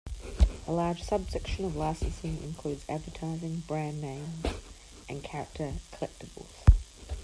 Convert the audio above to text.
A large subsection of licensing includes advertising, brandname, and character collectibles.